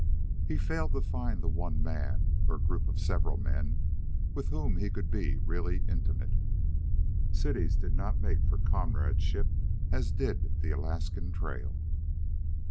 He failed to find the one man, or group of several men, with whom he could be really intimate. Cities did not make for comradeship as did the Alaskan trail.